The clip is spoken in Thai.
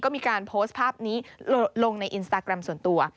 ก็มีการโพสต์ภาพนี้ลงในอินสตาแกรมส่วนตัว